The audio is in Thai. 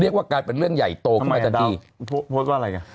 เรียกว่าการเป็นเรื่องใหญ่โตเข้าไปตัดดีโพสต์ว่าอะไรละ